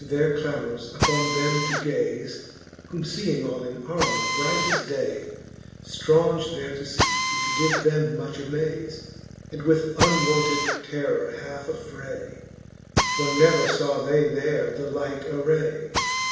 They ceaft their clamorSj upon them to gaze; Whom feeing all in armour bright as day, Straunge there to fee, it did them much amaze. And with uncounted terror halfe aflfray ; For never faw they there the like array.